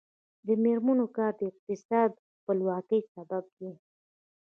د میرمنو کار د اقتصادي خپلواکۍ سبب دی.